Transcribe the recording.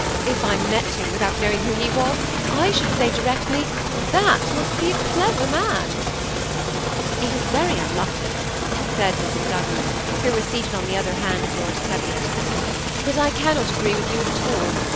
If I met him without knowing who he was, I should say directly, That must be a clever man !" "It is very unlucky," said Mrs. Douglas, who was seated on the other hand of Lord Teviot ;'< but I can not agree with you at all.